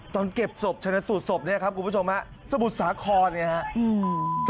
ตอนเก็บศพชนะสูตรศพเนี่ยครับคุณผู้ชมฮะสมุทรสาครเนี่ยครับ